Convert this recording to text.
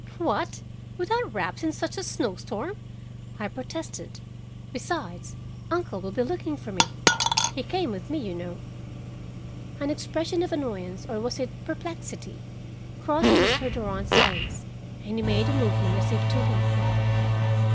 "What, without wraps and in such a snowstorm?" I protested. "Besides, uncle will be looking for me. He came with me, you know." An expression of annoyance, or was it perplexity, crossed Mr. Durand's face, and he made a movement as if to leave me.